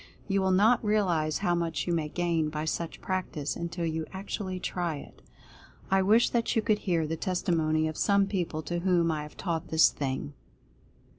You will not realize how much you may gain by such practice, until you actually try it. I wish that you could hear the testimony of some people to whom I have taught this thing.